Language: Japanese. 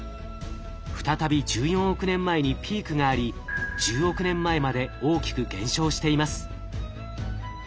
再び１４億年前にピークがあり１０億年前まで大きく減少しています。